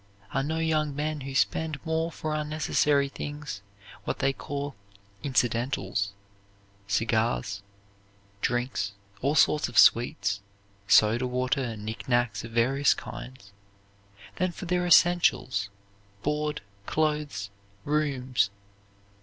I know young men who spend more for unnecessary things, what they call "incidentals" cigars, drinks, all sorts of sweets, soda water and nick nacks of various kinds than for their essentials, board, clothes, rooms.